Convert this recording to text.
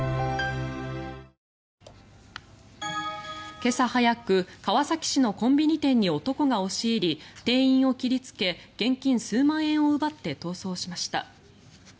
今朝早く川崎市のコンビニ店に男が押し入り店員を切りつけ現金数万円を奪って逃走しました。